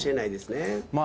まあ